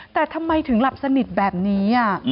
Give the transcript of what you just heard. แต่ทำไมถึงหลับสนิทแบบนี้